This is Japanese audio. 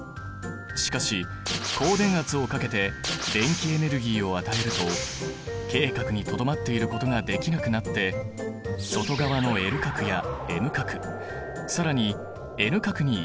しかし高電圧をかけて電気エネルギーを与えるとＫ殻にとどまっていることができなくなって外側のＬ殻やＭ殻更にＮ殻に移動してしまうんだ。